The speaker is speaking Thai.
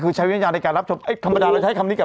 คือใช้วิญญาณในการรับชมไอ้ธรรมดาเราใช้คำนี้ก่อน